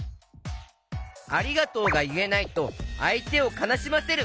「ありがとう」がいえないとあいてをかなしませる。